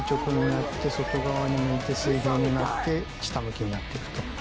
外側に向いて水平になって下向きになって行くと。